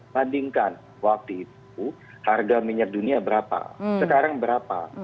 bandingkan waktu itu harga minyak dunia berapa sekarang berapa